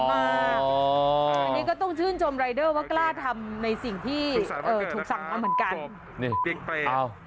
อันนี้ก็ต้องชื่นชมรายเดอร์ว่ากล้าทำในสิ่งที่ถูกสั่งมาเหมือนกัน